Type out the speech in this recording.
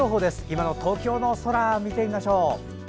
今の東京の空を見てみましょう。